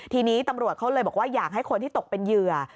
ทีนี้ตำรวจเขาเลยบอกว่าอยากให้คนที่ตกเป็นเหยื่อ